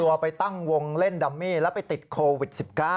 ไปตั้งวงเล่นดัมมี่แล้วไปติดโควิด๑๙